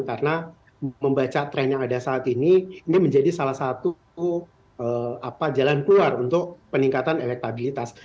karena membaca tren yang ada saat ini ini menjadi salah satu jalan keluar untuk peningkatan elektabilitas